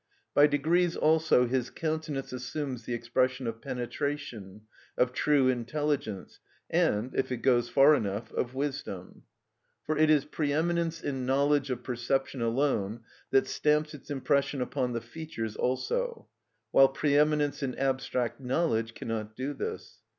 By degrees also his countenance assumes the expression of penetration, of true intelligence, and, if it goes far enough, of wisdom. For it is pre eminence in knowledge of perception alone that stamps its impression upon the features also; while pre eminence in abstract knowledge cannot do this.